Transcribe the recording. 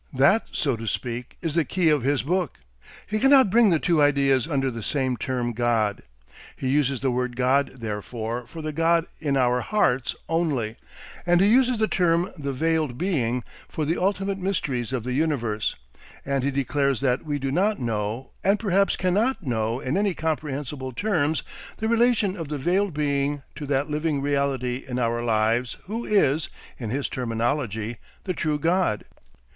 That, so to speak, is the key of his book. He cannot bring the two ideas under the same term God. He uses the word God therefore for the God in our hearts only, and he uses the term the Veiled Being for the ultimate mysteries of the universe, and he declares that we do not know and perhaps cannot know in any comprehensible terms the relation of the Veiled Being to that living reality in our lives who is, in his terminology, the true God.